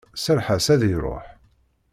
Serreḥ-as ad iruḥ.